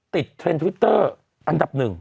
ติดเทรนด์ทวิตเตอร์อันดับหนึ่ง